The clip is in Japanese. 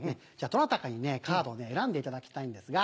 どなたかにカードを選んでいただきたいんですが。